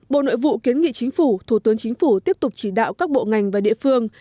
bộ nội vụ kiến nghị chính phủ thủ tướng chính phủ tiếp tục chỉ đạo các bộ ngành và địa phương